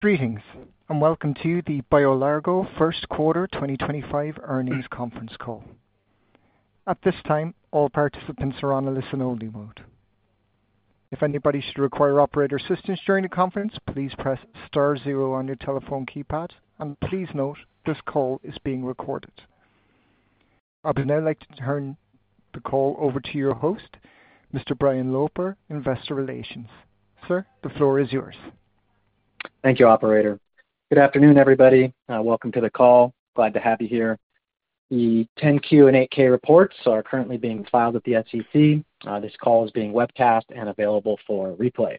Greetings, and welcome to the BioLargo First Quarter 2025 earnings conference call. At this time, all participants are on a listen-only mode. If anybody should require operator assistance during the conference, please press star zero on your telephone keypad, and please note this call is being recorded. I'd now like to turn the call over to your host, Mr. Brian Loper, Investor Relations. Sir, the floor is yours. Thank you, Operator. Good afternoon, everybody. Welcome to the call. Glad to have you here. The 10Q and 8K reports are currently being filed at the SEC. This call is being webcast and available for replay.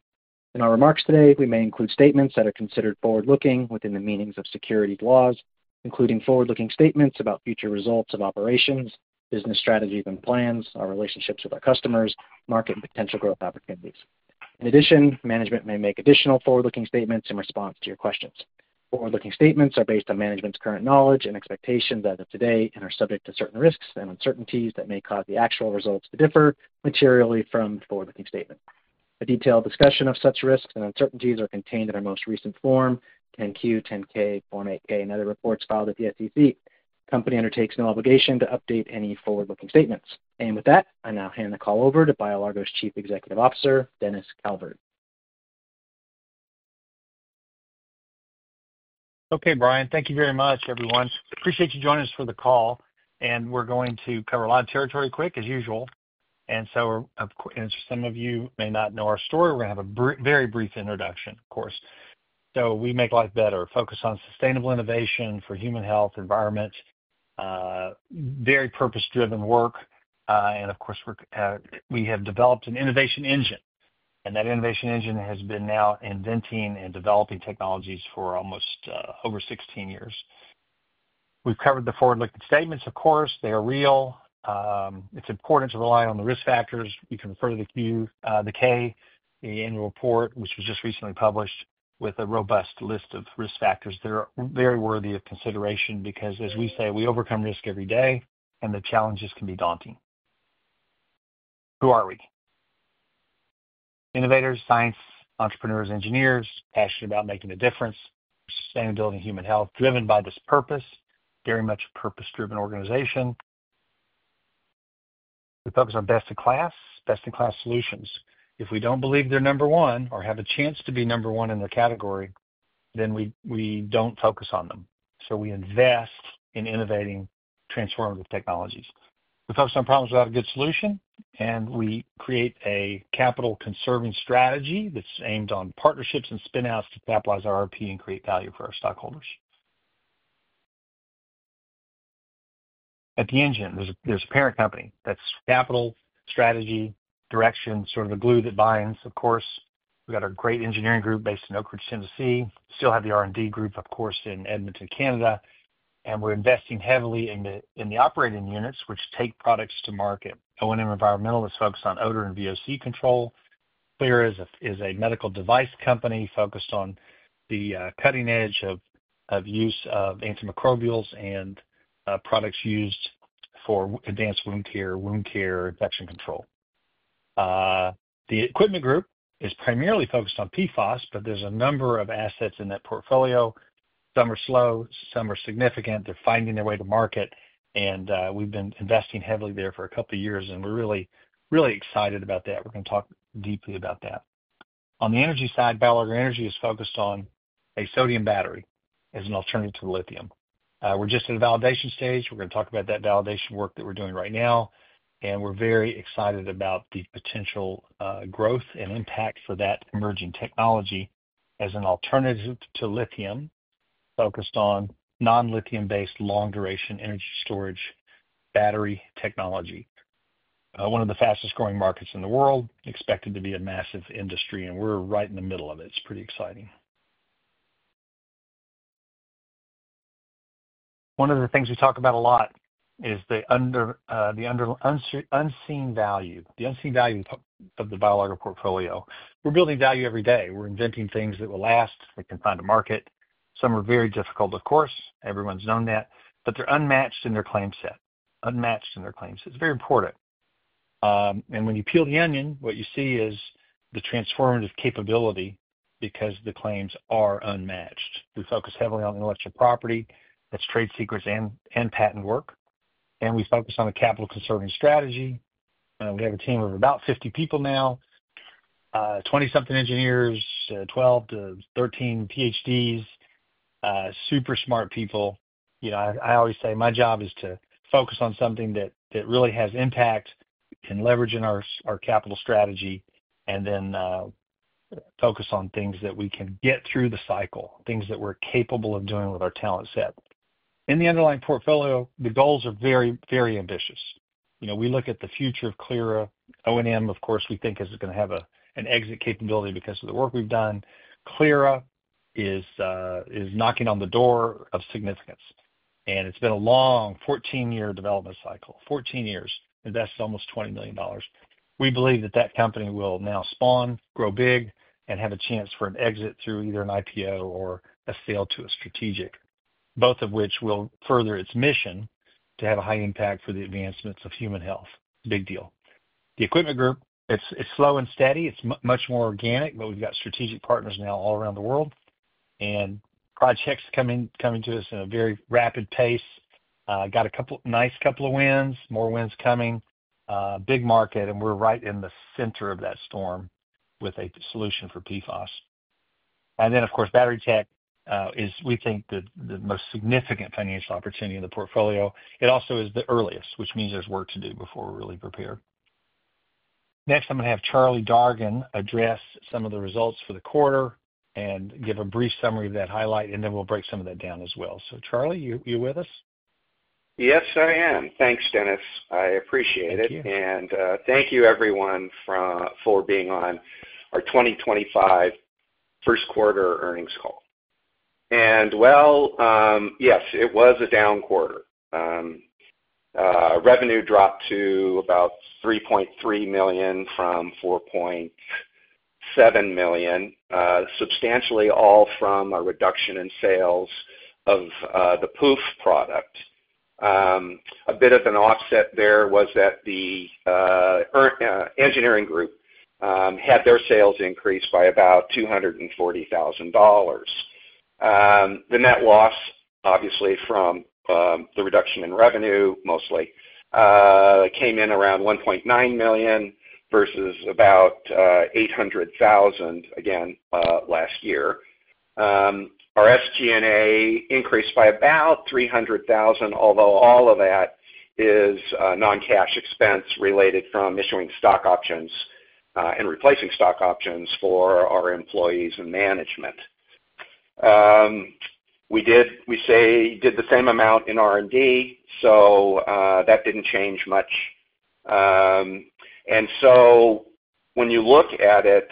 In our remarks today, we may include statements that are considered forward-looking within the meanings of securities laws, including forward-looking statements about future results of operations, business strategies and plans, our relationships with our customers, market, and potential growth opportunities. In addition, management may make additional forward-looking statements in response to your questions. Forward-looking statements are based on management's current knowledge and expectations as of today and are subject to certain risks and uncertainties that may cause the actual results to differ materially from forward-looking statements. A detailed discussion of such risks and uncertainties is contained in our most recent form 10Q, 10K, Form 8K, and other reports filed at the SEC. The company undertakes no obligation to update any forward-looking statements. With that, I now hand the call over to BioLargo's Chief Executive Officer, Dennis Calvert. Okay, Brian, thank you very much, everyone. Appreciate you joining us for the call, and we're going to cover a lot of territory quick, as usual. Some of you may not know our story. We're going to have a very brief introduction, of course. We make life better, focus on sustainable innovation for human health, environment, very purpose-driven work. Of course, we have developed an innovation engine, and that innovation engine has been now inventing and developing technologies for almost over 16 years. We've covered the forward-looking statements, of course. They are real. It's important to rely on the risk factors. You can refer to the K, the annual report, which was just recently published, with a robust list of risk factors that are very worthy of consideration because, as we say, we overcome risk every day, and the challenges can be daunting. Who are we? Innovators, science, entrepreneurs, engineers, passionate about making a difference, sustainability, and human health, driven by this purpose, very much a purpose-driven organization. We focus on best-in-class, best-in-class solutions. If we don't believe they're number one or have a chance to be number one in their category, then we don't focus on them. We invest in innovating transformative technologies. We focus on problems without a good solution, and we create a capital-conserving strategy that's aimed on partnerships and spinouts to capitalize our R&D and create value for our stockholders. At the engine, there's a parent company. That's capital, strategy, direction, sort of the glue that binds. Of course, we've got our great engineering group based in Oak Ridge, Tennessee. We still have the R&D group, of course, in Edmonton, Canada, and we're investing heavily in the operating units, which take products to market. O&M Environmental is focused on odor and VOC control. Clyra is a medical device company focused on the cutting edge of use of antimicrobials and products used for advanced wound care, wound care, infection control. The equipment group is primarily focused on PFAS, but there's a number of assets in that portfolio. Some are slow. Some are significant. They're finding their way to market, and we've been investing heavily there for a couple of years, and we're really, really excited about that. We're going to talk deeply about that. On the energy side, BioLargo Energy is focused on a sodium battery as an alternative to lithium. We're just at a validation stage. We're going to talk about that validation work that we're doing right now, and we're very excited about the potential growth and impact for that emerging technology as an alternative to lithium, focused on non-lithium-based long-duration energy storage battery technology. One of the fastest-growing markets in the world, expected to be a massive industry, and we're right in the middle of it. It's pretty exciting. One of the things we talk about a lot is the unseen value, the unseen value of the BioLargo portfolio. We're building value every day. We're inventing things that will last, that can find a market. Some are very difficult, of course. Everyone's known that, but they're unmatched in their claim set, unmatched in their claim set. It's very important. When you peel the onion, what you see is the transformative capability because the claims are unmatched. We focus heavily on intellectual property. That's trade secrets and patent work. We focus on a capital-conserving strategy. We have a team of about 50 people now, 20-something engineers, 12 to 13 PhDs, super smart people. I always say my job is to focus on something that really has impact and leverage in our capital strategy and then focus on things that we can get through the cycle, things that we're capable of doing with our talent set. In the underlying portfolio, the goals are very, very ambitious. We look at the future of Clyra. O&M, of course, we think is going to have an exit capability because of the work we've done. Clyra is knocking on the door of significance, and it's been a long 14-year development cycle, 14 years, invested almost $20 million. We believe that that company will now spawn, grow big, and have a chance for an exit through either an IPO or a sale to a strategic, both of which will further its mission to have a high impact for the advancements of human health. It's a big deal. The equipment group, it's slow and steady. It's much more organic, but we've got strategic partners now all around the world, and projects coming to us in a very rapid pace. Got a nice couple of wins, more wins coming, big market, and we're right in the center of that storm with a solution for PFAS. Then, of course, battery tech is, we think, the most significant financial opportunity in the portfolio. It also is the earliest, which means there's work to do before we're really prepared. Next, I'm going to have Charlie Dargan address some of the results for the quarter and give a brief summary of that highlight, and then we'll break some of that down as well. Charlie, you're with us? Yes, I am. Thanks, Dennis. I appreciate it. Thank you, everyone, for being on our 2025 First Quarter earnings call. It was a down quarter. Revenue dropped to about $3.3 million from $4.7 million, substantially all from a reduction in sales of the Pooph product. A bit of an offset there was that the engineering group had their sales increased by about $240,000. The net loss, obviously, from the reduction in revenue, mostly, came in around $1.9 million versus about $800,000, again, last year. Our SG&A increased by about $300,000, although all of that is non-cash expense related from issuing stock options and replacing stock options for our employees and management. We did the same amount in R&D, so that did not change much. When you look at it,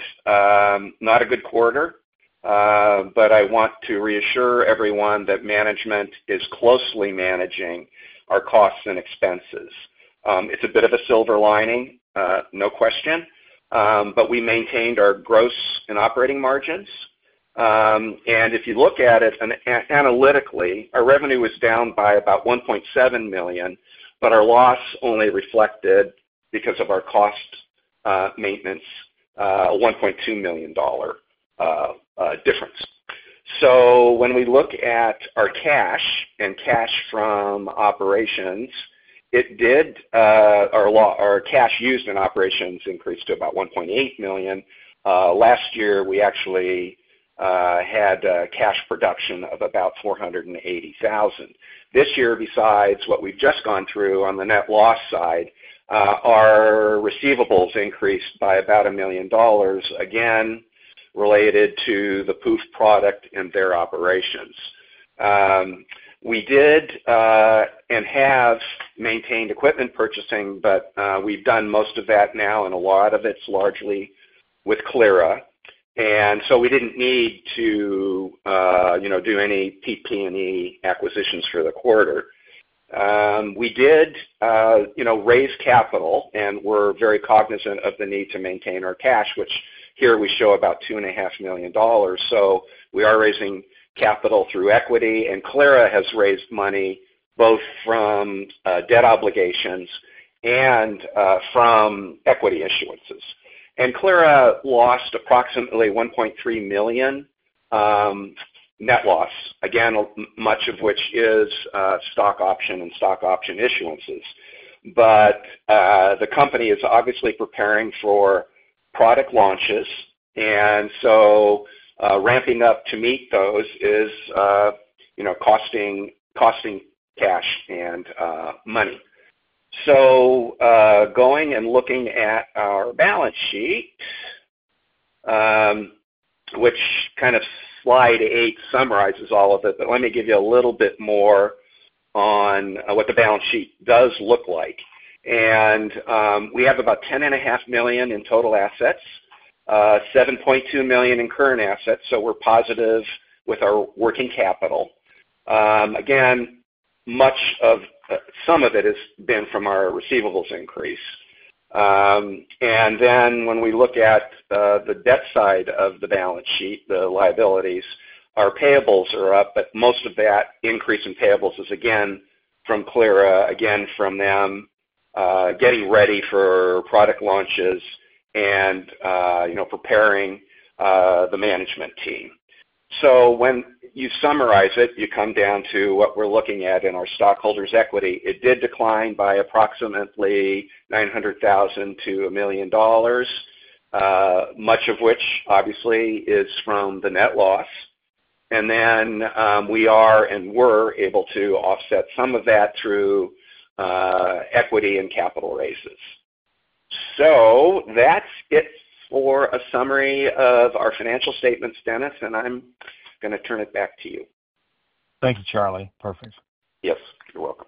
not a good quarter, but I want to reassure everyone that management is closely managing our costs and expenses. It is a bit of a silver lining, no question, but we maintained our gross and operating margins. If you look at it analytically, our revenue was down by about $1.7 million, but our loss only reflected, because of our cost maintenance, a $1.2 million difference. When we look at our cash and cash from operations, our cash used in operations increased to about $1.8 million. Last year, we actually had cash production of about $480,000. This year, besides what we have just gone through on the net loss side, our receivables increased by about $1 million, again, related to the Pooph product and their operations. We did and have maintained equipment purchasing, but we've done most of that now, and a lot of it's largely with Clyra. We didn't need to do any PP&E acquisitions for the quarter. We did raise capital and were very cognizant of the need to maintain our cash, which here we show about $2.5 million. We are raising capital through equity, and Clyra has raised money both from debt obligations and from equity issuances. Clyra lost approximately $1.3 million net loss, again, much of which is stock option and stock option issuances. The company is obviously preparing for product launches, and ramping up to meet those is costing cash and money. Going and looking at our balance sheet, which kind of slide eight summarizes all of it, but let me give you a little bit more on what the balance sheet does look like. We have about $10.5 million in total assets, $7.2 million in current assets, so we're positive with our working capital. Again, some of it has been from our receivables increase. When we look at the debt side of the balance sheet, the liabilities, our payables are up, but most of that increase in payables is, again, from Clyra, again, from them getting ready for product launches and preparing the management team. When you summarize it, you come down to what we're looking at in our stockholders' equity. It did decline by approximately $900,000-$1 million, much of which, obviously, is from the net loss. We are and were able to offset some of that through equity and capital raises. That is it for a summary of our financial statements, Dennis, and I am going to turn it back to you. Thank you, Charlie. Perfect. Yes, you're welcome.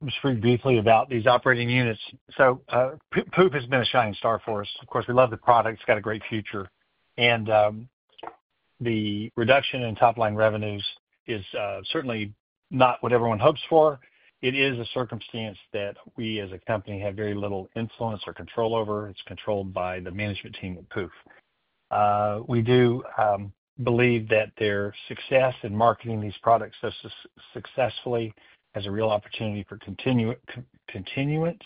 I'm just reading briefly about these operating units. Pooph has been a shining star for us. Of course, we love the product. It's got a great future. The reduction in top-line revenues is certainly not what everyone hopes for. It is a circumstance that we, as a company, have very little influence or control over. It's controlled by the management team at Pooph. We do believe that their success in marketing these products successfully has a real opportunity for continuance.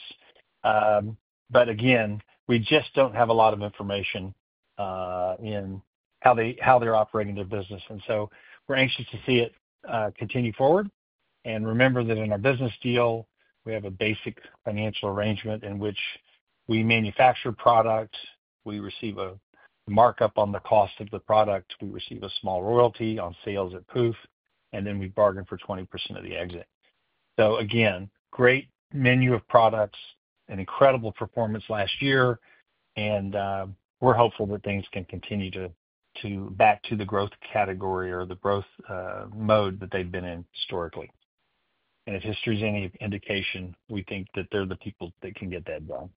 We just don't have a lot of information in how they're operating their business. We're anxious to see it continue forward. Remember that in our business deal, we have a basic financial arrangement in which we manufacture products. We receive a markup on the cost of the product. We receive a small royalty on sales at Pooph, and then we bargain for 20% of the exit. Great menu of products, an incredible performance last year, and we're hopeful that things can continue to back to the growth category or the growth mode that they've been in historically. If history is any indication, we think that they're the people that can get that done.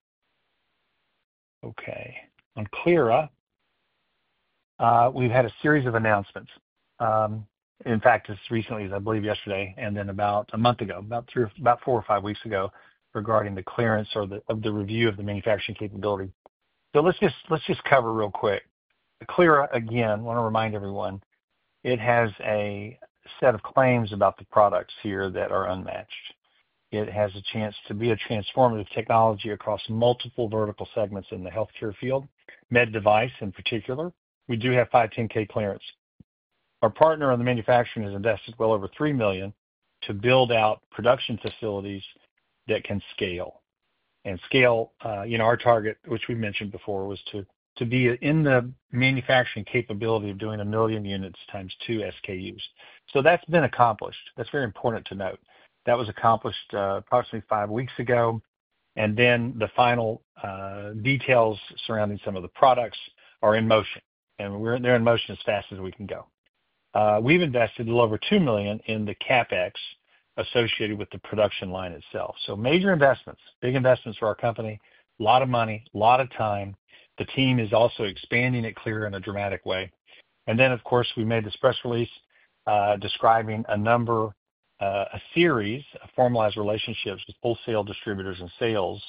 Okay. On Clyra, we've had a series of announcements. In fact, as recently as I believe yesterday and then about a month ago, about four or five weeks ago, regarding the clearance or the review of the manufacturing capability. Let's just cover real quick. Clyra, again, I want to remind everyone, it has a set of claims about the products here that are unmatched. It has a chance to be a transformative technology across multiple vertical segments in the healthcare field, med device in particular. We do have 510(k) clearance. Our partner on the manufacturing has invested well over $3 million to build out production facilities that can scale. Our target, which we mentioned before, was to be in the manufacturing capability of doing 1 million units times two SKUs. That has been accomplished. That is very important to note. That was accomplished approximately five weeks ago. The final details surrounding some of the products are in motion. They are in motion as fast as we can go. We have invested a little over $2 million in the CapEx associated with the production line itself. Major investments, big investments for our company, a lot of money, a lot of time. The team is also expanding at Clyra in a dramatic way. Of course, we made this press release describing a number, a series, of formalized relationships with wholesale distributors and sales.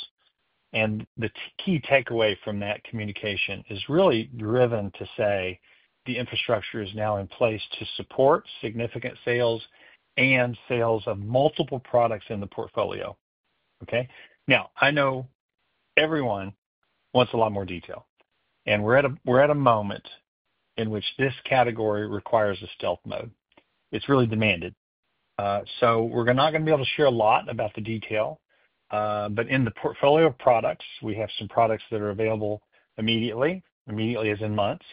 The key takeaway from that communication is really driven to say the infrastructure is now in place to support significant sales and sales of multiple products in the portfolio. Okay? I know everyone wants a lot more detail. We are at a moment in which this category requires a stealth mode. It is really demanded. We are not going to be able to share a lot about the detail. In the portfolio of products, we have some products that are available immediately, immediately as in months.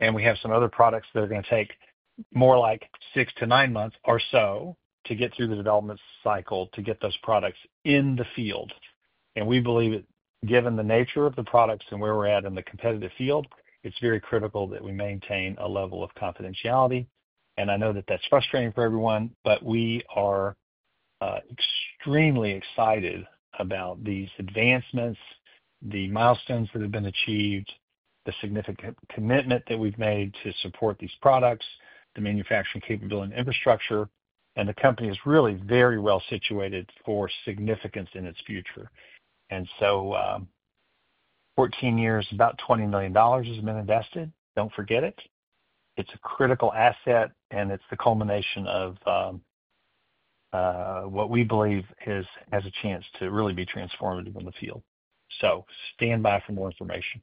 We have some other products that are going to take more like six to nine months or so to get through the development cycle to get those products in the field. We believe that given the nature of the products and where we're at in the competitive field, it's very critical that we maintain a level of confidentiality. I know that that's frustrating for everyone, but we are extremely excited about these advancements, the milestones that have been achieved, the significant commitment that we've made to support these products, the manufacturing capability and infrastructure. The company is really very well situated for significance in its future. Fourteen years, about $20 million has been invested. Don't forget it. It's a critical asset, and it's the culmination of what we believe has a chance to really be transformative in the field. Stand by for more information.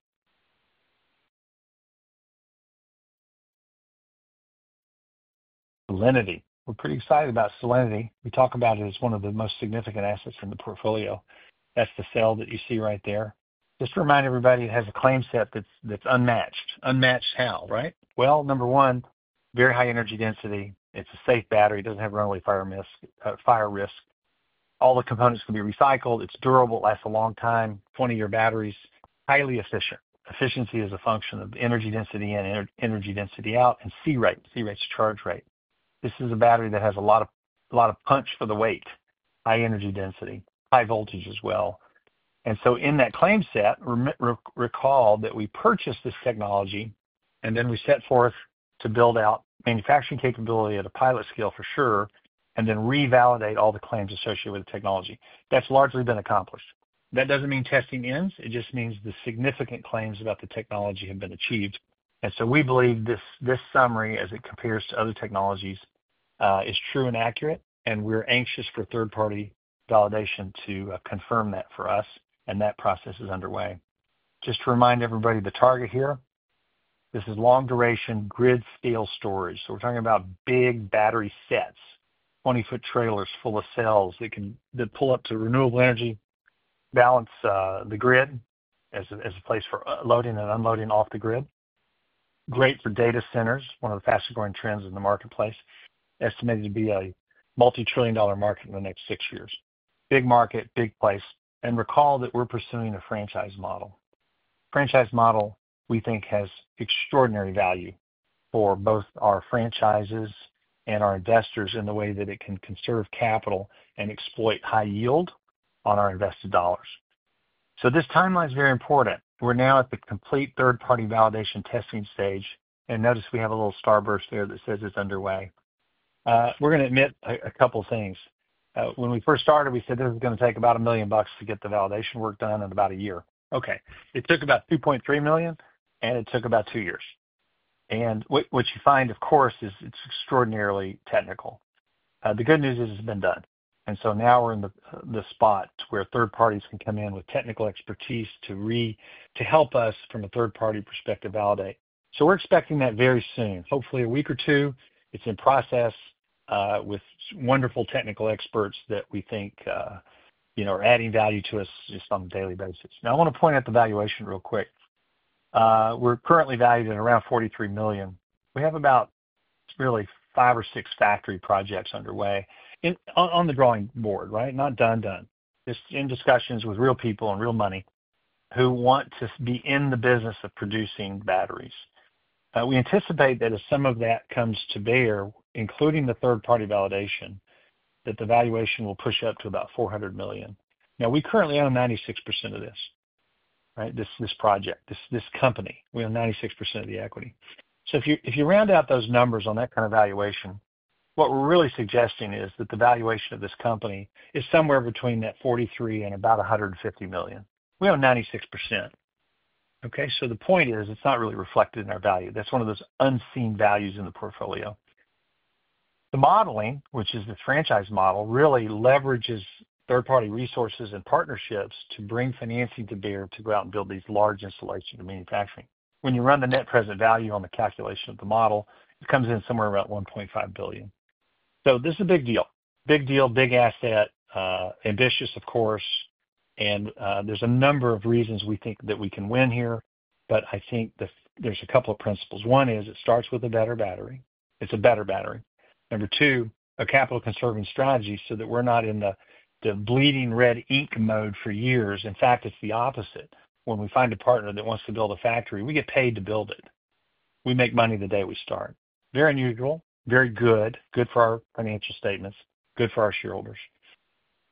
Solinity. We're pretty excited about Solinity. We talk about it as one of the most significant assets in the portfolio. That's the cell that you see right there. Just to remind everybody, it has a claim set that's unmatched. Unmatched how, right? Number one, very high energy density. It's a safe battery. It doesn't have runaway fire risk. All the components can be recycled. It's durable. It lasts a long time. 20-year batteries. Highly efficient. Efficiency is a function of energy density in, energy density out, and C rate. C rate's charge rate. This is a battery that has a lot of punch for the weight. High energy density. High voltage as well. In that claim set, recall that we purchased this technology, and then we set forth to build out manufacturing capability at a pilot scale for sure, and then revalidate all the claims associated with the technology. That's largely been accomplished. That doesn't mean testing ends. It just means the significant claims about the technology have been achieved. We believe this summary, as it compares to other technologies, is true and accurate, and we are anxious for third-party validation to confirm that for us, and that process is underway. Just to remind everybody, the target here, this is long-duration grid-scale storage. We are talking about big battery sets, 20-foot trailers full of cells that pull up to renewable energy, balance the grid as a place for loading and unloading off the grid. Great for data centers, one of the fastest-growing trends in the marketplace, estimated to be a multi-trillion-dollar market in the next six years. Big market, big place. Recall that we are pursuing a franchise model. Franchise model, we think, has extraordinary value for both our franchises and our investors in the way that it can conserve capital and exploit high yield on our invested dollars. This timeline is very important. We're now at the complete third-party validation testing stage, and notice we have a little starburst there that says it's underway. We're going to admit a couple of things. When we first started, we said this was going to take about $1 million to get the validation work done in about a year. Okay. It took about $2.3 million, and it took about two years. What you find, of course, is it's extraordinarily technical. The good news is it's been done. Now we're in the spot where third parties can come in with technical expertise to help us from a third-party perspective validate. We're expecting that very soon. Hopefully, a week or two. It's in process with wonderful technical experts that we think are adding value to us just on a daily basis. Now, I want to point out the valuation real quick. We're currently valued at around $43 million. We have about really five or six factory projects underway on the drawing board, right? Not done, done. Just in discussions with real people and real money who want to be in the business of producing batteries. We anticipate that as some of that comes to bear, including the third-party validation, that the valuation will push up to about $400 million. Now, we currently own 96% of this, right? This project, this company. We own 96% of the equity. So if you round out those numbers on that kind of valuation, what we're really suggesting is that the valuation of this company is somewhere between that $43 million and about $150 million. We own 96%. Okay? So the point is it's not really reflected in our value. That's one of those unseen values in the portfolio. The modeling, which is the franchise model, really leverages third-party resources and partnerships to bring financing to bear to go out and build these large installations of manufacturing. When you run the net present value on the calculation of the model, it comes in somewhere around $1.5 billion. This is a big deal. Big deal, big asset, ambitious, of course. There are a number of reasons we think that we can win here, but I think there are a couple of principles. One is it starts with a better battery. It is a better battery. Number two, a capital-conserving strategy so that we are not in the bleeding red ink mode for years. In fact, it is the opposite. When we find a partner that wants to build a factory, we get paid to build it. We make money the day we start. Very unusual, very good, good for our financial statements, good for our shareholders.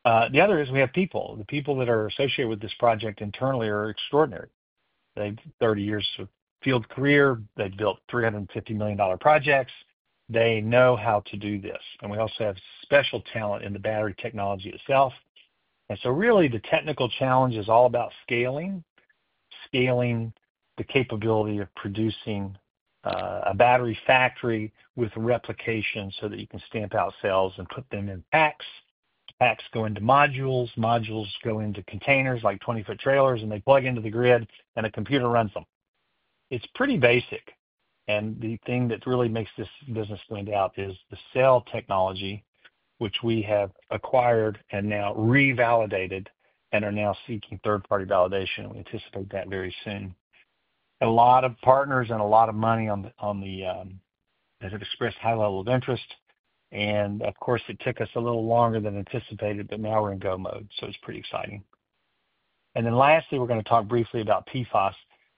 The other is we have people. The people that are associated with this project internally are extraordinary. They've 30 years of field career. They've built $350 million projects. They know how to do this. We also have special talent in the battery technology itself. Really, the technical challenge is all about scaling, scaling the capability of producing a battery factory with replication so that you can stamp out cells and put them in packs. Packs go into modules. Modules go into containers like 20-foot trailers, and they plug into the grid, and a computer runs them. It's pretty basic. The thing that really makes this business stand out is the cell technology, which we have acquired and now revalidated and are now seeking third-party validation. We anticipate that very soon. A lot of partners and a lot of money that have expressed high level of interest. Of course, it took us a little longer than anticipated, but now we're in go mode. It's pretty exciting. Lastly, we're going to talk briefly about PFOS.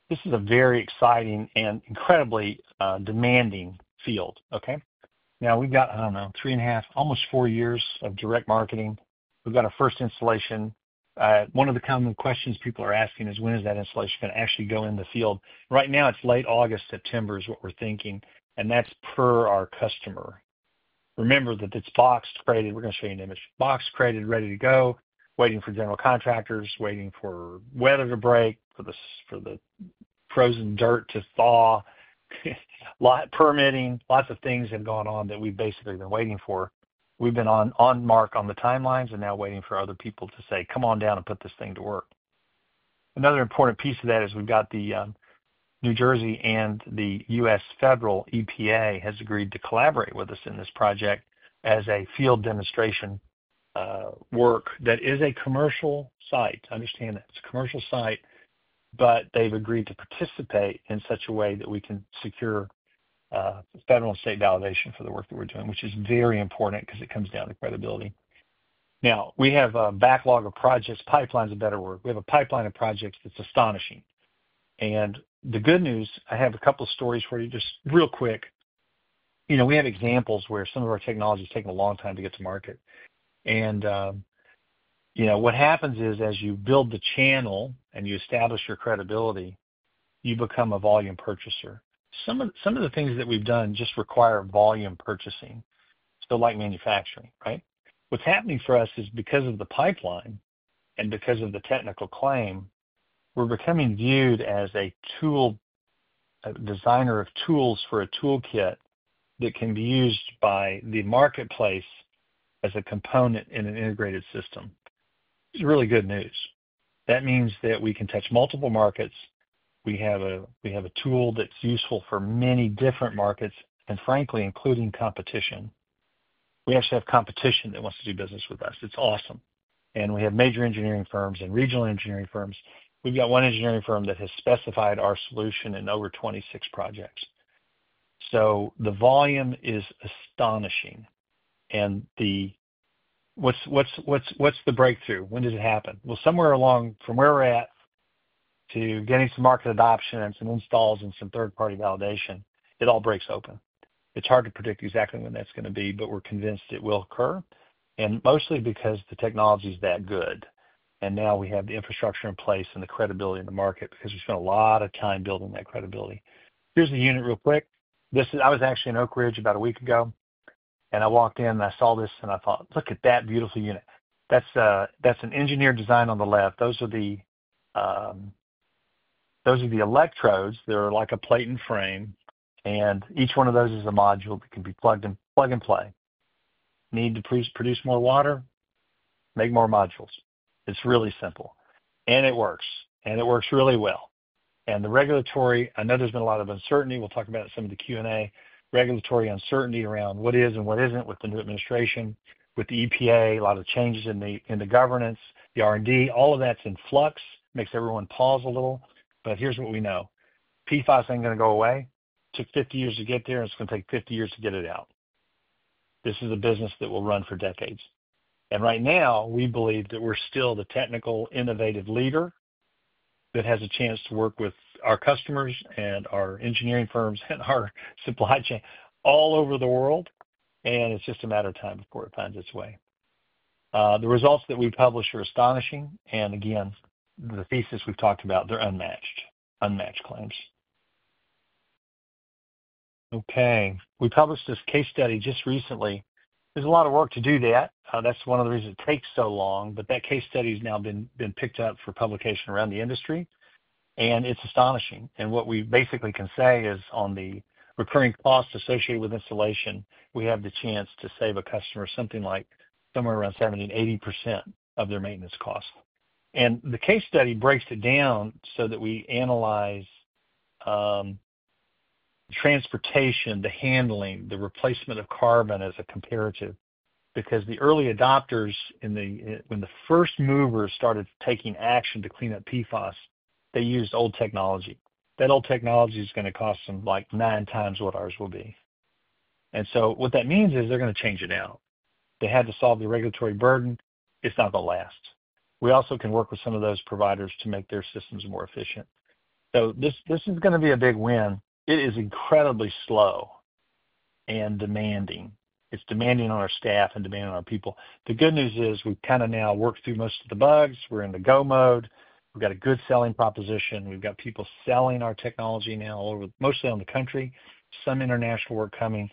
This is a very exciting and incredibly demanding field. Okay? Now, we've got, I don't know, three and a half, almost four years of direct marketing. We've got our first installation. One of the common questions people are asking is, when is that installation going to actually go in the field? Right now, it's late August, September is what we're thinking. That's per our customer. Remember that it's box-created. We're going to show you an image. Box-created, ready to go, waiting for general contractors, waiting for weather to break, for the frozen dirt to thaw, permitting. Lots of things have gone on that we've basically been waiting for. We've been on mark on the timelines and now waiting for other people to say, "Come on down and put this thing to work." Another important piece of that is we've got the New Jersey and the U.S. Federal EPA has agreed to collaborate with us in this project as a field demonstration work that is a commercial site. Understand that it's a commercial site, but they've agreed to participate in such a way that we can secure federal and state validation for the work that we're doing, which is very important because it comes down to credibility. Now, we have a backlog of projects, pipelines of better work. We have a pipeline of projects that's astonishing. The good news, I have a couple of stories for you just real quick. We have examples where some of our technology has taken a long time to get to market. What happens is as you build the channel and you establish your credibility, you become a volume purchaser. Some of the things that we've done just require volume purchasing, like manufacturing, right? What's happening for us is because of the pipeline and because of the technical claim, we're becoming viewed as a designer of tools for a toolkit that can be used by the marketplace as a component in an integrated system. It's really good news. That means that we can touch multiple markets. We have a tool that's useful for many different markets, and frankly, including competition. We actually have competition that wants to do business with us. It's awesome. We have major engineering firms and regional engineering firms. We've got one engineering firm that has specified our solution in over 26 projects. The volume is astonishing. What's the breakthrough? When did it happen? Somewhere along from where we're at to getting some market adoption and some installs and some third-party validation, it all breaks open. It's hard to predict exactly when that's going to be, but we're convinced it will occur, mostly because the technology is that good. Now we have the infrastructure in place and the credibility in the market because we spent a lot of time building that credibility. Here's a unit real quick. I was actually in Oak Ridge about a week ago, and I walked in and I saw this and I thought, "Look at that beautiful unit." That's an engineer design on the left. Those are the electrodes. They're like a plate and frame. Each one of those is a module that can be plug and play. Need to produce more water? Make more modules. It is really simple. It works. It works really well. The regulatory, I know there has been a lot of uncertainty. We will talk about it in some of the Q&A. Regulatory uncertainty around what is and what is not with the new administration, with the EPA, a lot of changes in the governance, the R&D, all of that is in flux. Makes everyone pause a little. Here is what we know. PFOS is not going to go away. Took 50 years to get there, and it is going to take 50 years to get it out. This is a business that will run for decades. Right now, we believe that we're still the technical innovative leader that has a chance to work with our customers and our engineering firms and our supply chain all over the world. It's just a matter of time before it finds its way. The results that we publish are astonishing. Again, the thesis we've talked about, they're unmatched. Unmatched claims. Okay. We published this case study just recently. There's a lot of work to do that. That's one of the reasons it takes so long. That case study has now been picked up for publication around the industry. It's astonishing. What we basically can say is on the recurring cost associated with installation, we have the chance to save a customer something like somewhere around 70%-80% of their maintenance cost. The case study breaks it down so that we analyze transportation, the handling, the replacement of carbon as a comparative. Because the early adopters, when the first movers started taking action to clean up PFOS, they used old technology. That old technology is going to cost them like nine times what ours will be. What that means is they're going to change it out. They had to solve the regulatory burden. It's not going to last. We also can work with some of those providers to make their systems more efficient. This is going to be a big win. It is incredibly slow and demanding. It's demanding on our staff and demanding on our people. The good news is we've kind of now worked through most of the bugs. We're in the go mode. We've got a good selling proposition. We've got people selling our technology now, mostly on the country. Some international work coming.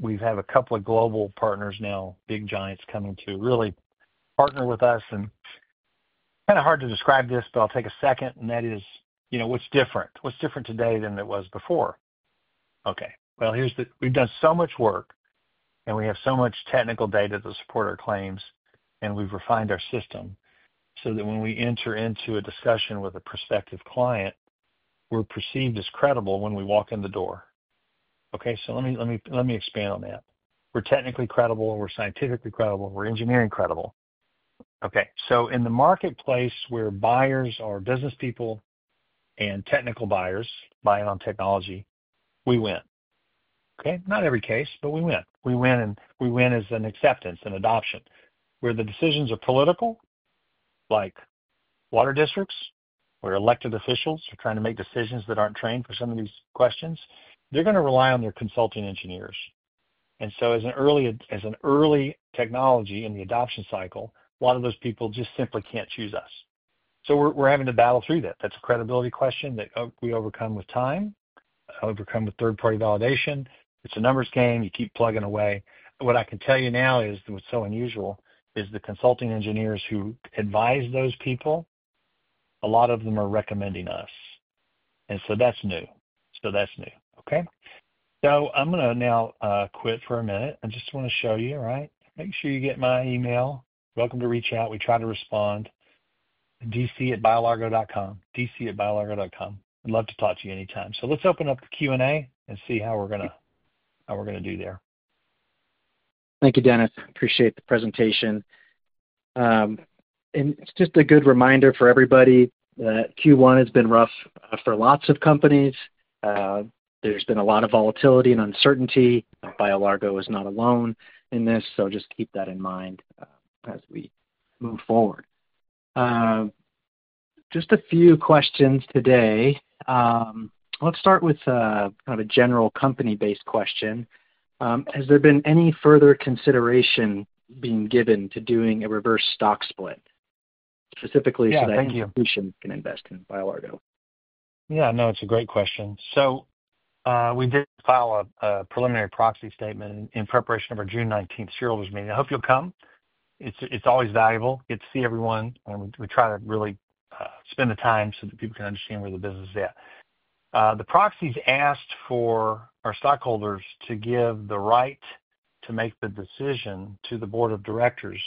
We have a couple of global partners now, big giants coming to really partner with us. Kind of hard to describe this, but I'll take a second, and that is what's different. What's different today than it was before? Okay. We've done so much work, and we have so much technical data to support our claims, and we've refined our system so that when we enter into a discussion with a prospective client, we're perceived as credible when we walk in the door. Okay? Let me expand on that. We're technically credible. We're scientifically credible. We're engineering credible. Okay. In the marketplace where buyers are business people and technical buyers buying on technology, we win. Okay? Not every case, but we win. We win as an acceptance and adoption. Where the decisions are political, like water districts, where elected officials are trying to make decisions that aren't trained for some of these questions, they're going to rely on their consulting engineers. As an early technology in the adoption cycle, a lot of those people just simply can't choose us. We're having to battle through that. That's a credibility question that we overcome with time, overcome with third-party validation. It's a numbers game. You keep plugging away. What I can tell you now is what's so unusual is the consulting engineers who advise those people, a lot of them are recommending us. That's new. Okay? I'm going to now quit for a minute. I just want to show you, all right? Make sure you get my email. Welcome to reach out. We try to respond. dc@biolargo.com. dc@biolargo.com. I'd love to talk to you anytime. Let's open up the Q&A and see how we're going to do there. Thank you, Dennis. Appreciate the presentation. It's just a good reminder for everybody that Q1 has been rough for lots of companies. There's been a lot of volatility and uncertainty. BioLargo is not alone in this, so just keep that in mind as we move forward. Just a few questions today. Let's start with kind of a general company-based question. Has there been any further consideration being given to doing a reverse stock split, specifically so that your institution can invest in BioLargo? Yeah. No, it's a great question. We did file a preliminary proxy statement in preparation of our June 19th shareholders meeting. I hope you'll come. It's always valuable. Good to see everyone. We try to really spend the time so that people can understand where the business is at. The proxies asked for our stockholders to give the right to make the decision to the board of directors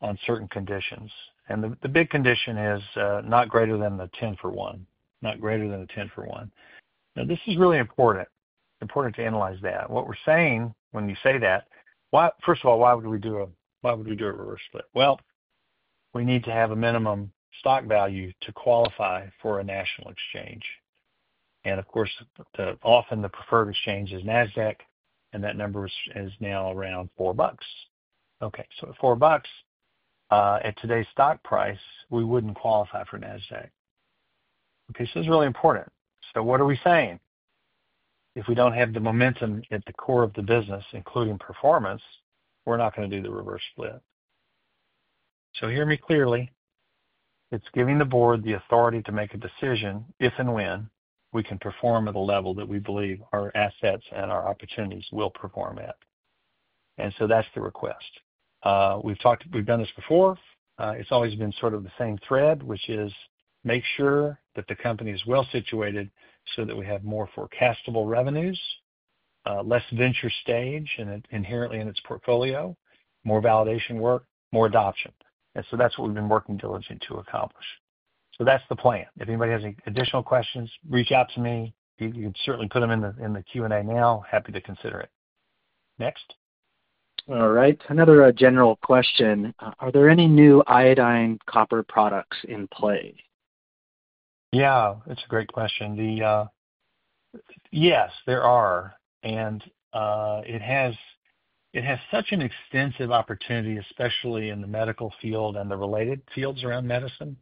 on certain conditions. The big condition is not greater than the 10-for-1, not greater than the 10-for-1. This is really important. Important to analyze that. What we are saying when you say that, first of all, why would we do a reverse split? We need to have a minimum stock value to qualify for a national exchange. Of course, often the preferred exchange is NASDAQ, and that number is now around $4. At $4, at today's stock price, we would not qualify for NASDAQ. It is really important. What are we saying? If we do not have the momentum at the core of the business, including performance, we are not going to do the reverse split. Hear me clearly. It is giving the board the authority to make a decision if and when we can perform at a level that we believe our assets and our opportunities will perform at. That is the request. We have done this before. It has always been sort of the same thread, which is make sure that the company is well situated so that we have more forecastable revenues, less venture stage inherently in its portfolio, more validation work, more adoption. That is what we have been working diligently to accomplish. That is the plan. If anybody has any additional questions, reach out to me. You can certainly put them in the Q&A now. Happy to consider it. Next? All right. Another general question. Are there any new iodine copper products in play? Yeah. It's a great question. Yes, there are. It has such an extensive opportunity, especially in the medical field and the related fields around medicine.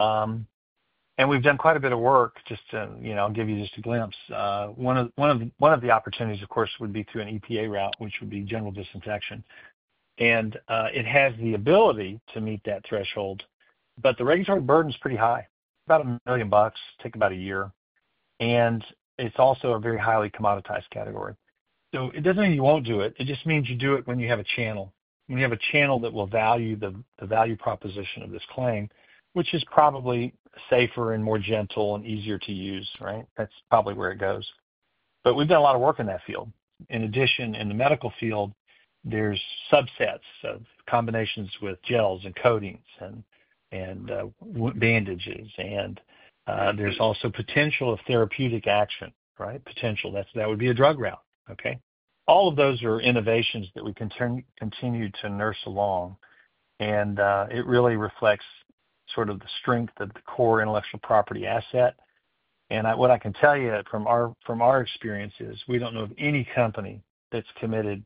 We've done quite a bit of work just to give you just a glimpse. One of the opportunities, of course, would be through an EPA route, which would be general disinfection. It has the ability to meet that threshold. The regulatory burden is pretty high. About $1 million, take about a year. It's also a very highly commoditized category. It doesn't mean you won't do it. It just means you do it when you have a channel. When you have a channel that will value the value proposition of this claim, which is probably safer and more gentle and easier to use, right? That's probably where it goes. We have done a lot of work in that field. In addition, in the medical field, there are subsets of combinations with gels and coatings and bandages. There is also potential of therapeutic action, right? Potential. That would be a drug route. Okay? All of those are innovations that we can continue to nurse along. It really reflects sort of the strength of the core intellectual property asset. What I can tell you from our experience is we do not know of any company that has committed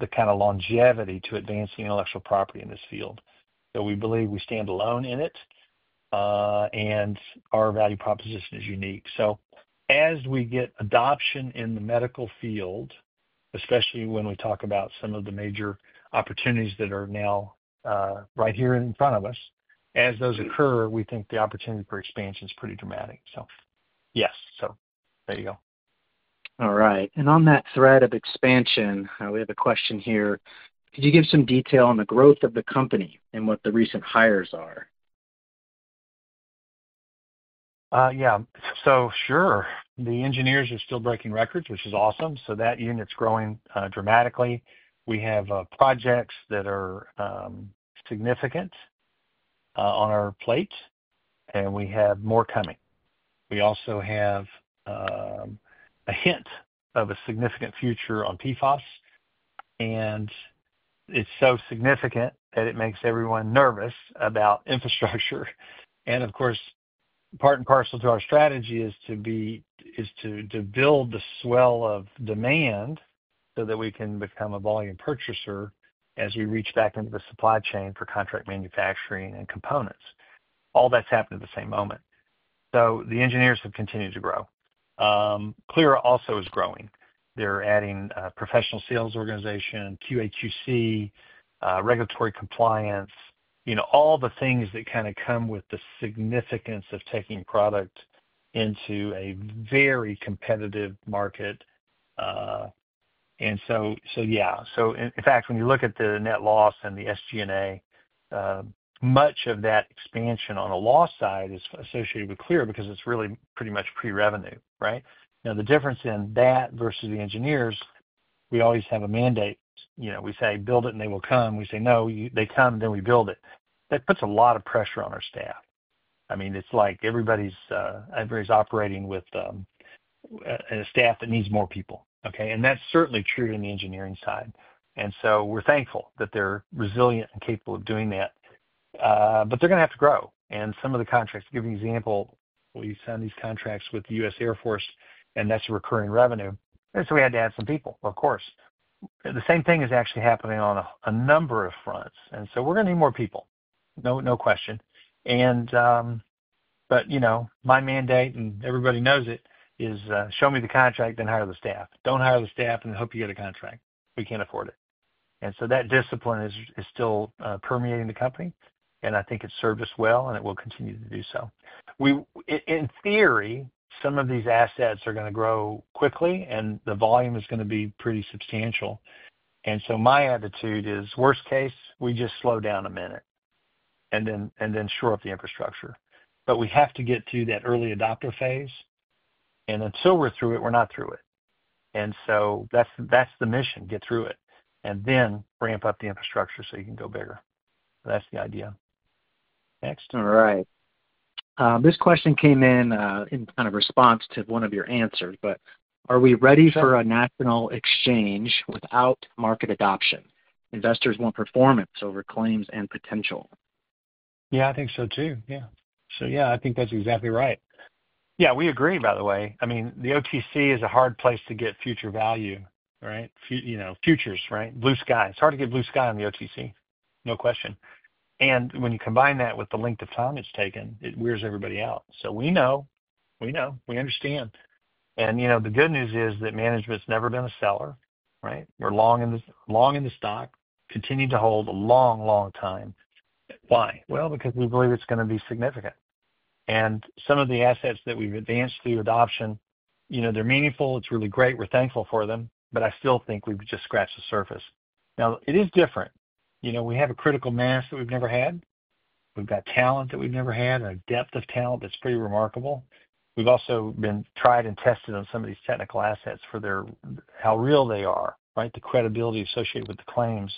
the kind of longevity to advancing intellectual property in this field. We believe we stand alone in it, and our value proposition is unique. As we get adoption in the medical field, especially when we talk about some of the major opportunities that are now right here in front of us, as those occur, we think the opportunity for expansion is pretty dramatic. Yes. There you go. All right. On that thread of expansion, we have a question here. Could you give some detail on the growth of the company and what the recent hires are? Yeah. Sure. The engineers are still breaking records, which is awesome. That unit's growing dramatically. We have projects that are significant on our plate, and we have more coming. We also have a hint of a significant future on PFAS. It is so significant that it makes everyone nervous about infrastructure. Of course, part and parcel to our strategy is to build the swell of demand so that we can become a volume purchaser as we reach back into the supply chain for contract manufacturing and components. All that's happened at the same moment. The engineers have continued to grow. Clyra also is growing. They're adding a professional sales organization, QAQC, regulatory compliance, all the things that kind of come with the significance of taking product into a very competitive market. Yeah. In fact, when you look at the net loss and the SG&A, much of that expansion on a loss side is associated with Clyra because it's really pretty much pre-revenue, right? Now, the difference in that versus the engineers, we always have a mandate. We say, "Build it, and they will come." We say, "No, they come, then we build it." That puts a lot of pressure on our staff. I mean, it's like everybody's operating with a staff that needs more people. Okay? That's certainly true in the engineering side. We're thankful that they're resilient and capable of doing that. They're going to have to grow. Some of the contracts, to give you an example, we signed these contracts with the US Air Force, and that's a recurring revenue. We had to add some people, of course. The same thing is actually happening on a number of fronts. We're going to need more people. No question. My mandate, and everybody knows it, is show me the contract and hire the staff. Don't hire the staff and hope you get a contract. We can't afford it. That discipline is still permeating the company. I think it's served us well, and it will continue to do so. In theory, some of these assets are going to grow quickly, and the volume is going to be pretty substantial. My attitude is, worst case, we just slow down a minute and then shore up the infrastructure. We have to get through that early adopter phase. Until we're through it, we're not through it. That's the mission: get through it and then ramp up the infrastructure so you can go bigger. That's the idea. Next? All right. This question came in in kind of response to one of your answers, but are we ready for a national exchange without market adoption? Investors want performance over claims and potential. Yeah, I think so too. Yeah. Yeah, I think that's exactly right. Yeah. We agree, by the way. I mean, the OTC is a hard place to get future value, right? Futures, right? Blue sky. It's hard to get blue sky on the OTC, no question. When you combine that with the length of time it's taken, it wears everybody out. We know. We know. We understand. The good news is that management's never been a seller, right? We're long in the stock, continue to hold a long, long time. Why? Because we believe it's going to be significant. Some of the assets that we've advanced through adoption, they're meaningful. It's really great. We're thankful for them. I still think we've just scratched the surface. Now, it is different. We have a critical mass that we've never had. We've got talent that we've never had, a depth of talent that's pretty remarkable. We've also been tried and tested on some of these technical assets for how real they are, right? The credibility associated with the claims.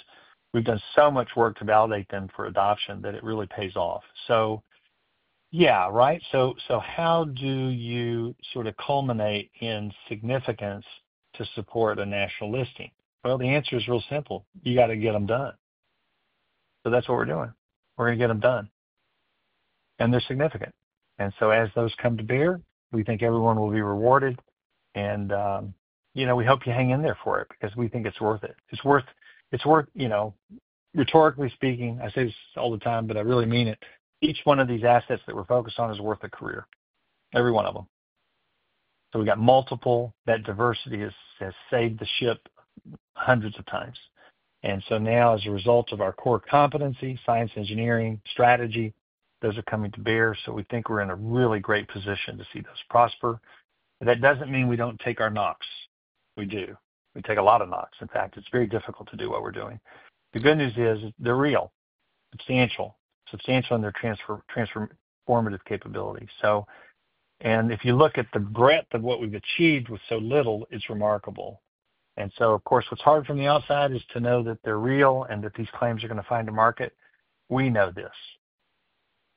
We've done so much work to validate them for adoption that it really pays off. Yeah, right? How do you sort of culminate in significance to support a national listing? The answer is real simple. You got to get them done. That's what we're doing. We're going to get them done. They're significant. As those come to bear, we think everyone will be rewarded. We hope you hang in there for it because we think it's worth it. It's worth, rhetorically speaking, I say this all the time, but I really mean it. Each one of these assets that we're focused on is worth a career. Every one of them. We have multiple. That diversity has saved the ship hundreds of times. As a result of our core competency, science, engineering, strategy, those are coming to bear. We think we're in a really great position to see those prosper. That does not mean we do not take our knocks. We do. We take a lot of knocks. In fact, it is very difficult to do what we're doing. The good news is they are real, substantial, substantial in their transformative capability. If you look at the breadth of what we've achieved with so little, it is remarkable. Of course, what is hard from the outside is to know that they are real and that these claims are going to find a market. We know this.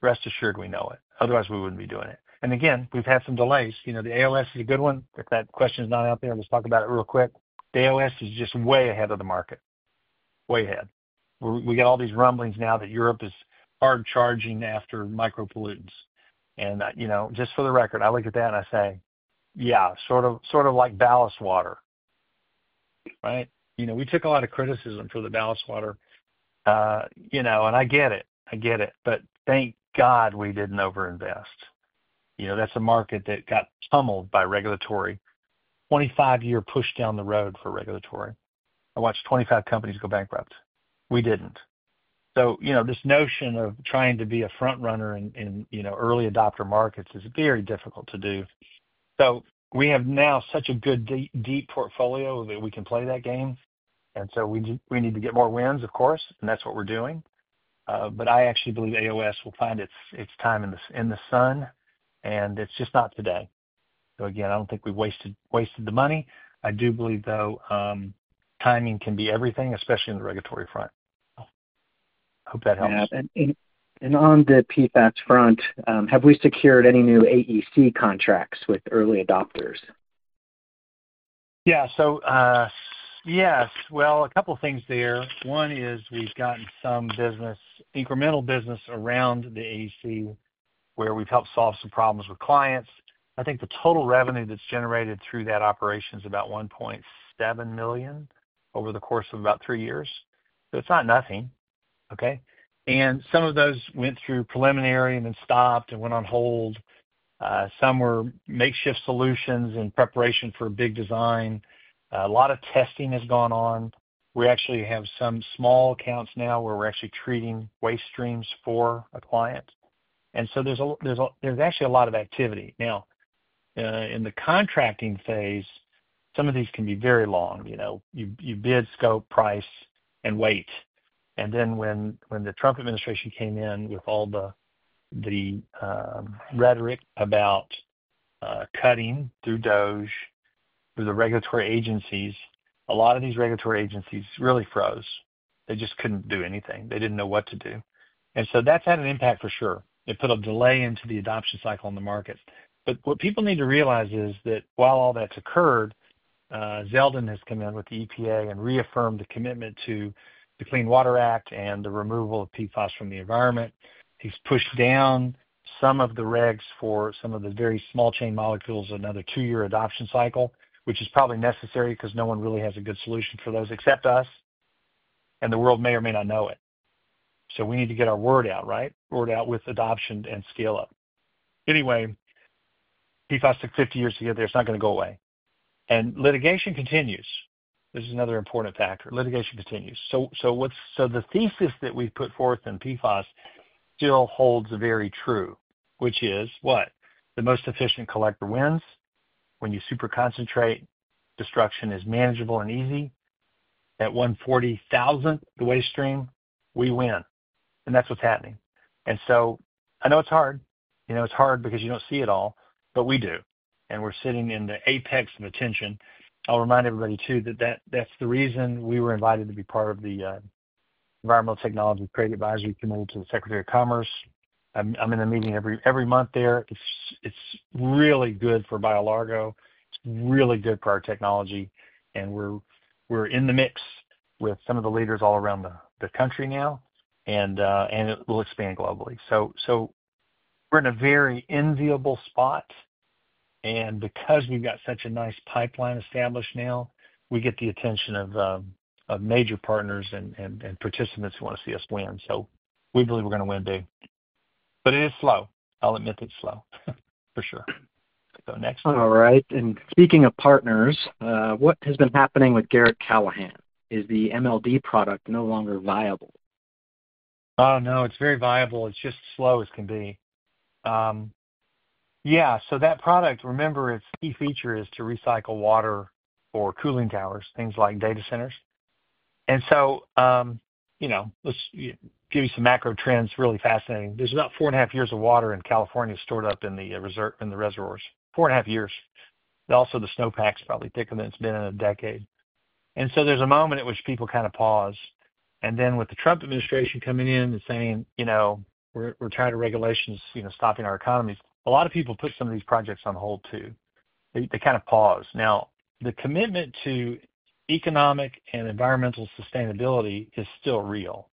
Rest assured, we know it. Otherwise, we wouldn't be doing it. Again, we've had some delays. The AOS is a good one. If that question is not out there, let's talk about it real quick. The AOS is just way ahead of the market. Way ahead. We get all these rumblings now that Europe is hard charging after micropollutants. Just for the record, I look at that and I say, "Yeah, sort of like Balance Water." Right? We took a lot of criticism for the Balance Water. I get it. I get it. Thank God we didn't overinvest. That's a market that got pummeled by regulatory. Twenty-five year push down the road for regulatory. I watched 25 companies go bankrupt. We didn't. This notion of trying to be a front runner in early adopter markets is very difficult to do. We have now such a good, deep portfolio that we can play that game. We need to get more wins, of course, and that's what we're doing. I actually believe AOS will find its time in the sun, and it's just not today. I don't think we wasted the money. I do believe, though, timing can be everything, especially on the regulatory front. I hope that helps. Yeah. On the PFAS front, have we secured any new AEC contracts with early adopters? Yeah. Yes. A couple of things there. One is we've gotten some incremental business around the AEC where we've helped solve some problems with clients. I think the total revenue that's generated through that operation is about $1.7 million over the course of about three years. It's not nothing. Okay? Some of those went through preliminary and then stopped and went on hold. Some were makeshift solutions in preparation for a big design. A lot of testing has gone on. We actually have some small accounts now where we're actually treating waste streams for a client. There is actually a lot of activity. Now, in the contracting phase, some of these can be very long. You bid, scope, price, and wait. When the Trump administration came in with all the rhetoric about cutting through DOJ, through the regulatory agencies, a lot of these regulatory agencies really froze. They just could not do anything. They did not know what to do. That has had an impact for sure. It put a delay into the adoption cycle on the markets. What people need to realize is that while all that's occurred, Zeldin has come in with the EPA and reaffirmed the commitment to the Clean Water Act and the removal of PFAS from the environment. He's pushed down some of the regs for some of the very small chain molecules in another two-year adoption cycle, which is probably necessary because no one really has a good solution for those except us. The world may or may not know it. We need to get our word out, right? Word out with adoption and scale up. Anyway, PFAS took 50 years to get there. It's not going to go away. Litigation continues. This is another important factor. Litigation continues. The thesis that we've put forth in PFAS still holds very true, which is what? The most efficient collector wins. When you super concentrate, destruction is manageable and easy. At 140,000, the waste stream, we win. That is what is happening. I know it is hard. It is hard because you do not see it all, but we do. We are sitting in the apex of attention. I will remind everybody too that that is the reason we were invited to be part of the Environmental Technology Creative Advisory Committee to the Secretary of Commerce. I am in a meeting every month there. It is really good for BioLargo. It is really good for our technology. We are in the mix with some of the leaders all around the country now, and it will expand globally. We are in a very enviable spot. Because we have got such a nice pipeline established now, we get the attention of major partners and participants who want to see us win. We believe we are going to win too. It is slow. I'll admit it's slow, for sure. Next? All right. Speaking of partners, what has been happening with Garratt-Callahan? Is the MLD product no longer viable? Oh, no. It's very viable. It's just as slow as can be. Yeah. That product, remember, its key feature is to recycle water for cooling towers, things like data centers. Let's give you some macro trends. Really fascinating. There is about four and a half years of water in California stored up in the reservoirs. Four and a half years. Also, the snowpack's probably thicker than it's been in a decade. There is a moment at which people kind of pause. With the Trump administration coming in and saying, "We're tied to regulations stopping our economies," a lot of people put some of these projects on hold too. They kind of pause. Now, the commitment to economic and environmental sustainability is still real.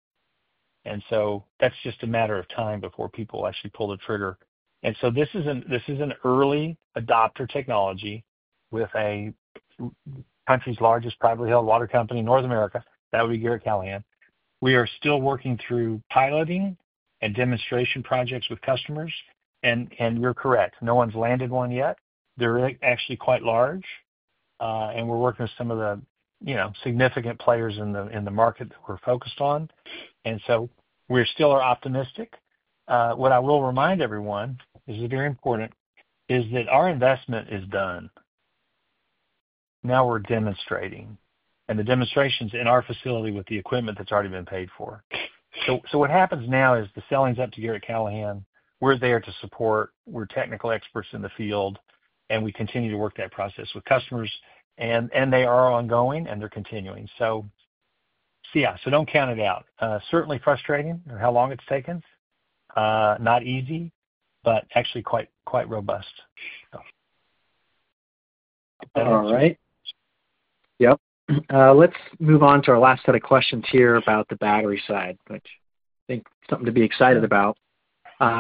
That is just a matter of time before people actually pull the trigger. This is an early adopter technology with the country's largest privately held water company in North America. That would be Garratt-Callahan. We are still working through piloting and demonstration projects with customers. You're correct. No one's landed one yet. They're actually quite large. We're working with some of the significant players in the market that we're focused on. We still are optimistic. What I will remind everyone is very important is that our investment is done. Now we're demonstrating. The demonstration's in our facility with the equipment that's already been paid for. What happens now is the selling's up to Garratt-Callahan. We're there to support. We're technical experts in the field. We continue to work that process with customers. They are ongoing, and they're continuing. Yeah. Do not count it out. Certainly frustrating how long it's taken. Not easy, but actually quite robust. All right. Yep. Let's move on to our last set of questions here about the battery side, which I think is something to be excited about.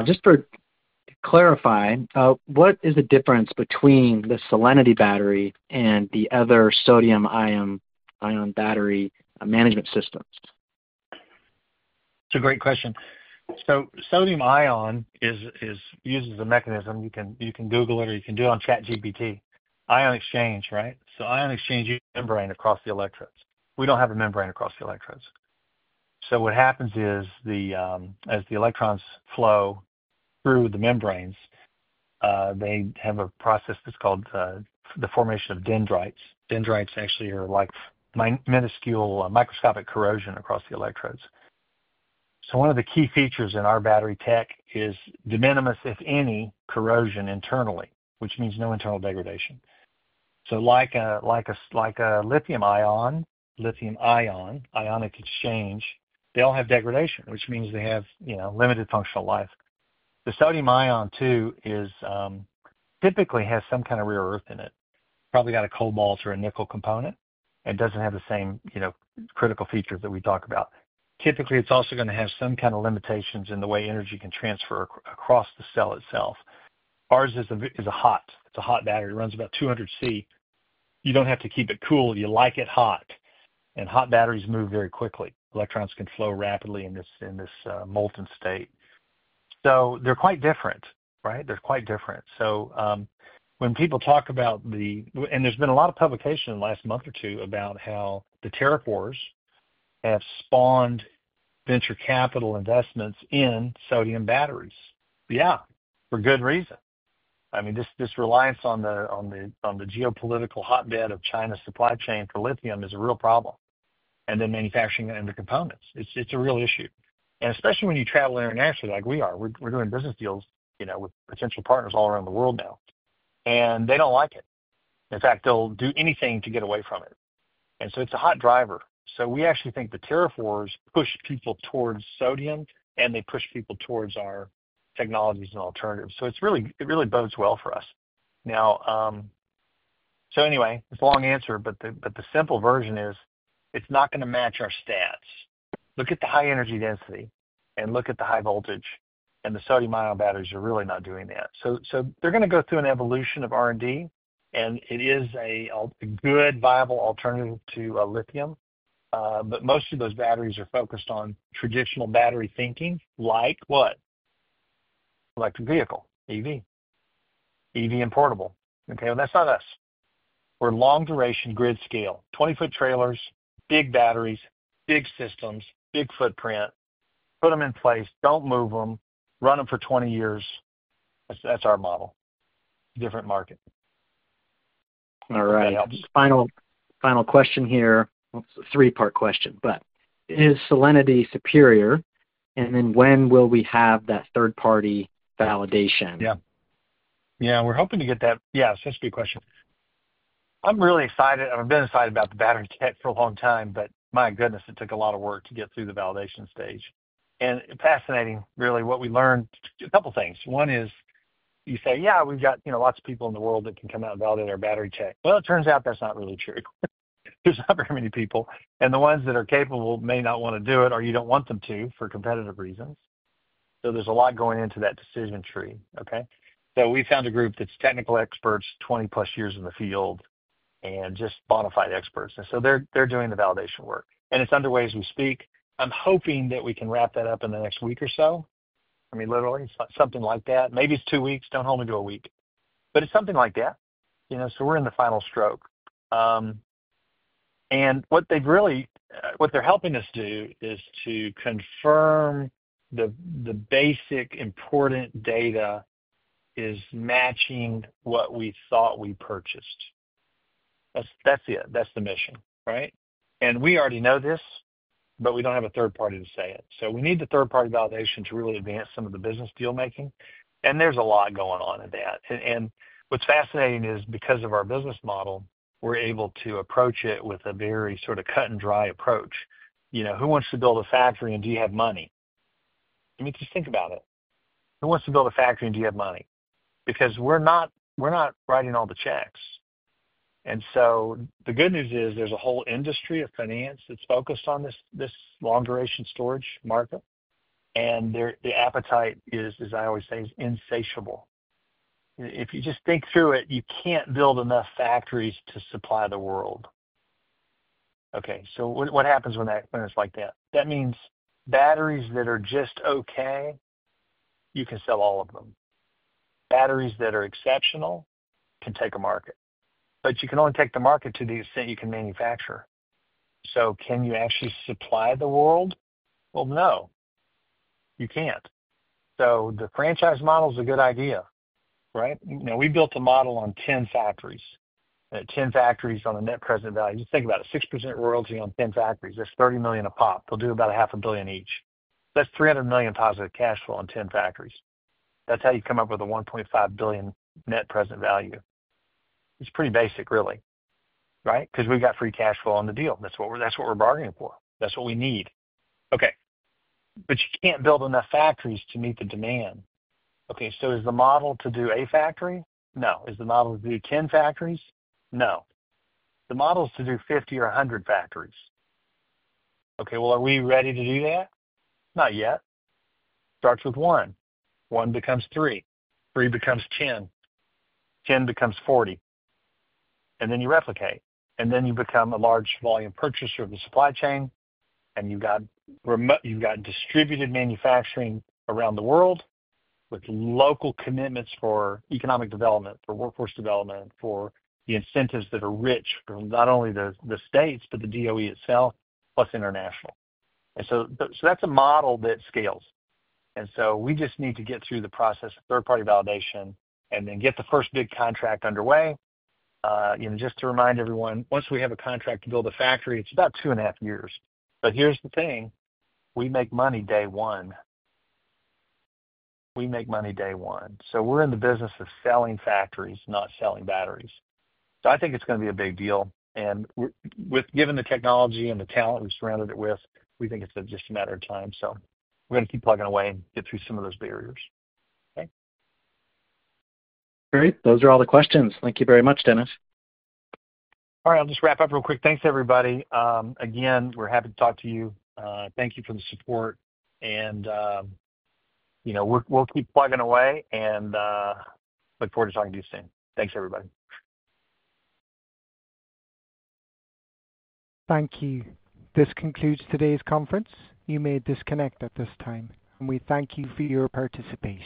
Just to clarify, what is the difference between the Solinity battery and the other sodium-ion battery management systems? It's a great question. Sodium-ion uses a mechanism. You can Google it or you can do it on ChatGPT. Ion exchange, right? Ion exchange uses a membrane across the electrodes. We do not have a membrane across the electrodes. What happens is as the electrons flow through the membranes, they have a process that's called the formation of dendrites. Dendrites actually are like minuscule microscopic corrosion across the electrodes. One of the key features in our battery tech is de minimis, if any, corrosion internally, which means no internal degradation. Like a lithium-ion, lithium-ion, ionic exchange, they all have degradation, which means they have limited functional life. The sodium-ion too typically has some kind of rare earth in it. Probably got a cobalt or a nickel component and does not have the same critical features that we talk about. Typically, it is also going to have some kind of limitations in the way energy can transfer across the cell itself. Ours is a hot. It is a hot battery. It runs about 200 degrees Celsius. You do not have to keep it cool. You like it hot. Hot batteries move very quickly. Electrons can flow rapidly in this molten state. They are quite different, right? They are quite different. When people talk about the—and there's been a lot of publication in the last month or two about how the TerraPores have spawned venture capital investments in sodium batteries. Yeah, for good reason. I mean, this reliance on the geopolitical hotbed of China's supply chain for lithium is a real problem. And then manufacturing and the components. It's a real issue. Especially when you travel internationally like we are. We're doing business deals with potential partners all around the world now. They don't like it. In fact, they'll do anything to get away from it. It is a hot driver. We actually think the TerraPores push people towards sodium, and they push people towards our technologies and alternatives. It really bodes well for us. Anyway, it's a long answer, but the simple version is it's not going to match our stats. Look at the high energy density and look at the high voltage. The sodium-ion batteries are really not doing that. They are going to go through an evolution of R&D. It is a good, viable alternative to lithium. Most of those batteries are focused on traditional battery thinking like what? Electric vehicle, EV. EV and portable. Okay? That is not us. We are long-duration grid scale. 20-foot trailers, big batteries, big systems, big footprint. Put them in place. Do not move them. Run them for 20 years. That is our model. Different market. All right. Final question here. It is a three-part question, but is Solinity superior? When will we have that third-party validation? Yeah. Yeah. We are hoping to get that. Yeah. That is a good question. I am really excited. I've been excited about the battery tech for a long time, but my goodness, it took a lot of work to get through the validation stage. It's fascinating, really, what we learned. A couple of things. One is you say, "Yeah, we've got lots of people in the world that can come out and validate our battery tech." It turns out that's not really true. There's not very many people. The ones that are capable may not want to do it, or you don't want them to for competitive reasons. There's a lot going into that decision tree. Okay? We found a group that's technical experts, 20-plus years in the field, and just bona fide experts. They're doing the validation work. It's underway as we speak. I'm hoping that we can wrap that up in the next week or so. I mean, literally, something like that. Maybe it's two weeks. Don't hold me to a week. But it's something like that. We're in the final stroke. What they're helping us do is to confirm the basic important data is matching what we thought we purchased. That's the mission, right? We already know this, but we don't have a third party to say it. We need the third-party validation to really advance some of the business deal-making. There's a lot going on in that. What's fascinating is because of our business model, we're able to approach it with a very sort of cut-and-dry approach. Who wants to build a factory, and do you have money? I mean, just think about it. Who wants to build a factory, and do you have money? We're not writing all the checks. The good news is there's a whole industry of finance that's focused on this long-duration storage market. The appetite, as I always say, is insatiable. If you just think through it, you can't build enough factories to supply the world. Okay. What happens when it's like that? That means batteries that are just okay, you can sell all of them. Batteries that are exceptional can take a market. You can only take the market to the extent you can manufacture. Can you actually supply the world? No. You can't. The franchise model is a good idea, right? We built a model on 10 factories. Ten factories on a net present value. Just think about it. 6% royalty on 10 factories. That's $30 million a pop. They'll do about $500 million each. That's $300 million positive cash flow on 10 factories. That's how you come up with a $1.5 billion net present value. It's pretty basic, really, right? Because we've got free cash flow on the deal. That's what we're bargaining for. That's what we need. Okay. You can't build enough factories to meet the demand. Okay. Is the model to do a factory? No. Is the model to do 10 factories? No. The model is to do 50 or 100 factories. Okay. Are we ready to do that? Not yet. Starts with one. One becomes three. Three becomes 10. Ten becomes 40. You replicate. You become a large volume purchaser of the supply chain. You've got distributed manufacturing around the world with local commitments for economic development, for workforce development, for the incentives that are rich from not only the states, but the DOE itself, plus international. That is a model that scales. We just need to get through the process of third-party validation and then get the first big contract underway. Just to remind everyone, once we have a contract to build a factory, it is about two and a half years. Here is the thing. We make money day one. We make money day one. We are in the business of selling factories, not selling batteries. I think it is going to be a big deal. Given the technology and the talent we surrounded it with, we think it is just a matter of time. We are going to keep plugging away and get through some of those barriers. Okay? Great. Those are all the questions. Thank you very much, Dennis. All right. I will just wrap up real quick. Thanks, everybody. Again, we are happy to talk to you. Thank you for the support. We'll keep plugging away. We look forward to talking to you soon. Thanks, everybody. Thank you. This concludes today's conference. You may disconnect at this time. We thank you for your participation.